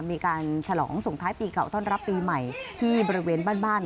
ฉลองส่งท้ายปีเก่าต้อนรับปีใหม่ที่บริเวณบ้าน